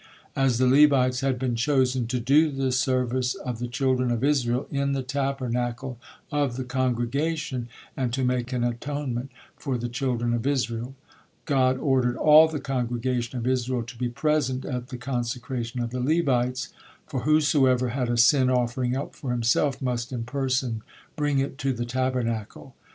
As the Levites had been chosen "to do the service of the children of Israel in the Tabernacle of the congregation, and to make an atonement for the children of Israel," God ordered all the congregation of Israel to be present at the consecration of the Levites, for whosoever had a sin offering up for himself must in person bring it to the Tabernacle.